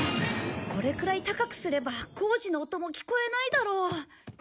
これくらい高くすれば工事の音も聞こえないだろう。